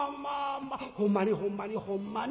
ほんまにほんまにほんまに？